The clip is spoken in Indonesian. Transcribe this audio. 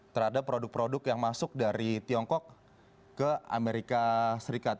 terhadap produk produk yang masuk dari tiongkok ke amerika serikat